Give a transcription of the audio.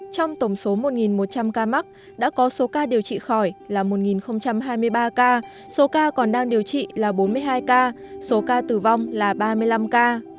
trong tổng số một một trăm linh ca mắc đã có số ca điều trị khỏi là một hai mươi ba ca số ca còn đang điều trị là bốn mươi hai ca số ca tử vong là ba mươi năm ca